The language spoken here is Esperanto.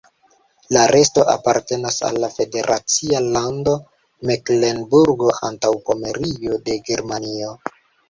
La resto apartenas al la federacia lando Meklenburgo-Antaŭpomerio de Germanio.